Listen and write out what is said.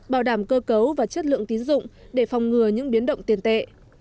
bảo đảm cơ cấu và chất lượng tín dụng để phòng ngừa những biến động tiền tệ